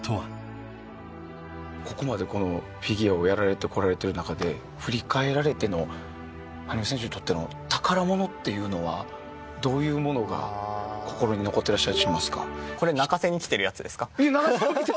ここまでフィギュアをやられてこられてる中で振り返られての羽生選手にとっての宝物っていうのはどういうものが心に残ってらっしゃいますか？